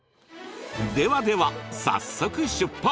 ではでは早速出発！